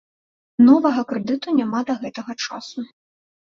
Новага крэдыту няма да гэтага часу.